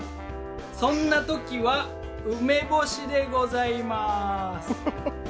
そんな時は梅干しでございます。